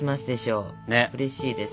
うれしいです。